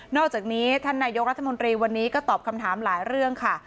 อกจากนี้ท่านนายกรัฐมนตรีวันนี้ก็ตอบคำถามหลายเรื่องค่ะ